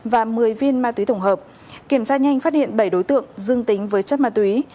và một mươi viên ma túy tổng hợp kiểm tra nhanh phát hiện bảy đối tượng dương tính với chất ma túy